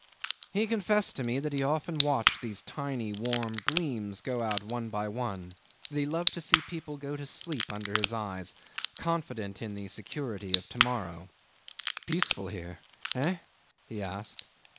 'He confessed to me that he often watched these tiny warm gleams go out one by one, that he loved to see people go to sleep under his eyes, confident in the security of to morrow. "Peaceful here, eh?" he asked.